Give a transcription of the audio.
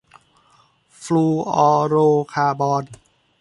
ฟลูออโรคาร์บอน